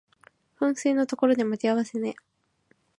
噴水の所で待ち合わせね